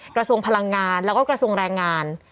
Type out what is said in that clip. กระทรวงพลังงานแล้วก็กระทรวงแรงงาน